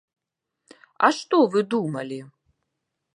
А што вы думалі?